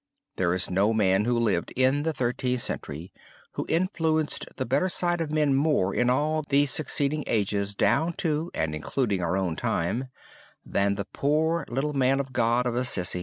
There is no man who lived in the Thirteenth Century who influenced the better side of men more in all the succeeding ages down to and including our own time, than the poor little man of God of Assisi.